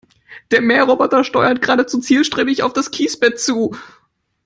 Der Mähroboter steuert geradezu zielstrebig auf das Kiesbett zu.